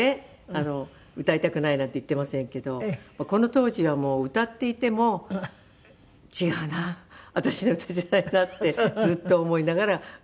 歌いたくないなんて言っていませんけどこの当時は歌っていても違うな私の歌じゃないなってずっと思いながら歌っていました